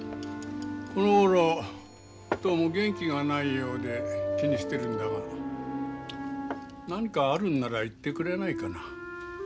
このごろどうも元気がないようで気にしてるんだが何かあるんなら言ってくれないかな。